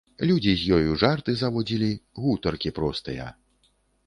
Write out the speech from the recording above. Людзі з ёю жарты заводзілі, гутаркі простыя.